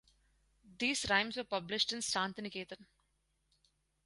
These rhymes were published in Santiniketan.